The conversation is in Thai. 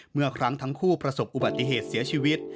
เมื่อครั้งทั้งคู่ประสบอุบัติเหตุเสียชีวิต